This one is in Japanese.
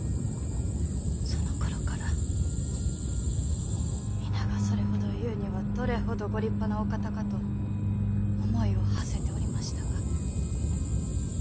そのころから皆がそれほど言うにはどれほどご立派なお方かと思いをはせておりましたが。